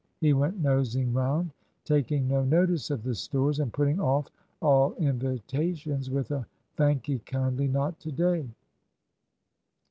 He went "nosing round," taking no notice of the stores, and putting off all invitations with a "Thank'ee kindly, not to day."